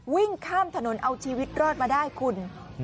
วิ่งข้ามถนนเอาชีวิตรอดมาได้คุณ